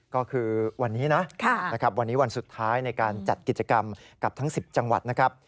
ก็คือวันนี้นะวันนี้วันสุดท้ายในการจัดกิจกรรมกับทั้ง๑๐จังหวัดนะครับ